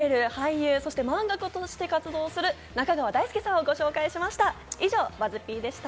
今日はモデル、俳優、そして漫画家として活躍する中川大輔さんをご紹介しました。